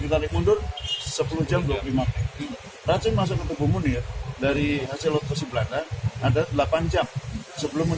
ditarik mundur sepuluh jam dua puluh lima racun masuk ke tubuh munir dari hasil otosi belanda ada delapan jam sebelum